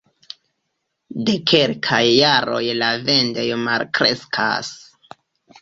De kelkaj jaroj la vendoj malkreskas.